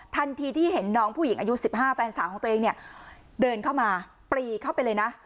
ทันทีที่เห็นน้องผู้หญิงอายุ๑๕แฟนสาวของตัวเองเนี่ยเดินเข้ามาปรีเข้าไปเลยนะ